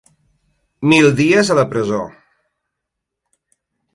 Mil dies a la presó.